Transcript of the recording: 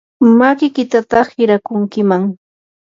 makiykitataq hirakunkiman.